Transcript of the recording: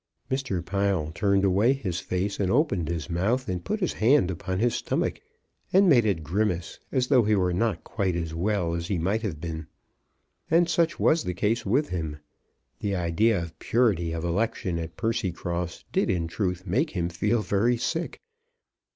Mr. Pile turned away his face, and opened his mouth, and put his hand upon his stomach, and made a grimace, as though, as though he were not quite as well as he might be. And such was the case with him. The idea of purity of election at Percy cross did in truth make him feel very sick.